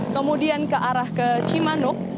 kemudian ke arah cimanuk